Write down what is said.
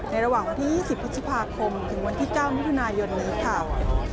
ในระหว่างวันที่๒๐พฤษภาคมถึงวันที่๙มิถุนายนในวิทยาลัย